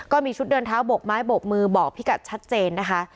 ก็มีชุดเดินเท้าบกไม้โบกมือบอกพี่กัดชัดเจนนะคะ